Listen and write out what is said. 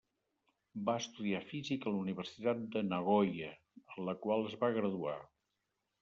Va estudiar física a la Universitat de Nagoya, en la qual es va graduar.